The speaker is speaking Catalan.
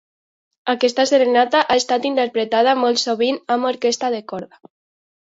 Aquesta serenata ha estat interpretada molt sovint amb orquestra de corda.